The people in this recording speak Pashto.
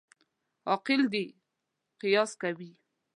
عاقل دي قیاس کوي.